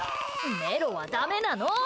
メロはダメなの！